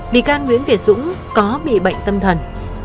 bị can nguyễn việt dũng có bị bệnh tâm thần